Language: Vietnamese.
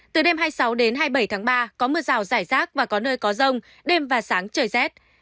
từ đêm hai mươi sáu đến hai mươi bảy tháng ba có mưa rào rải rác và có nơi có rông đêm và sáng trời rét